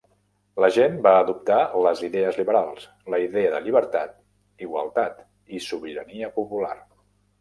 La gent va adoptar les idees liberals: la idea de llibertat, igualtat i sobirania popular.